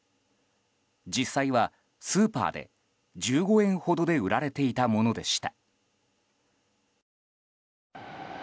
実際はスーパーで１５円ほどで売られていたものでした。